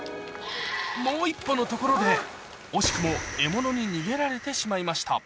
もう一歩のところで、惜しくも獲物に逃げられてしまいました。